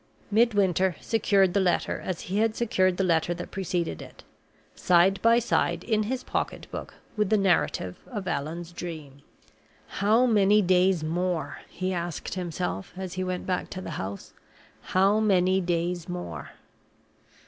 Midwinter secured the letter as he had secured the letter that preceded it side by side in his pocket book with the narrative of Allan's Dream. "How many days more?" he asked himself, as he went back to the house. "How many days more?"